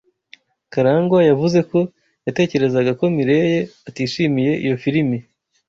Karangwa yavuze ko yatekerezaga ko Mirelle atishimiye iyo filimi.